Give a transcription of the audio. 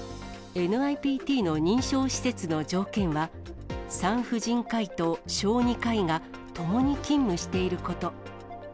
ＮＩＰＴの認証施設の条件は、産婦人科医と小児科医が共に勤務していること。